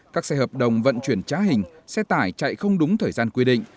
các xe hợp đồng vận chuyển trá hình xe tải chạy không đúng thời gian quy định